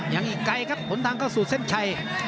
ยังอีกไกลครับผลทางเข้าสู่เส้นชัย